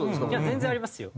全然ありますよ。